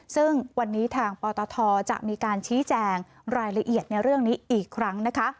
ซึ่งวันนี้ทางปตทจะมีการชี้แจงรายละเอียดในเรื่องนี้อีกครั้งนะคะ